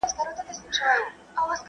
رښتيا ويل په رزق کي برکت دی.